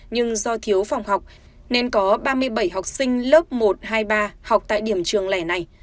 nhưng do thiếu phòng học nên có ba mươi bảy học sinh lớp một hai mươi ba học tại điểm trường lẻ này